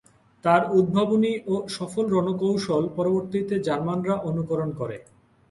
তার উদ্ভাবনী ও সফল রণকৌশল পরবর্তীতে জার্মানরা অনুকরণ করে।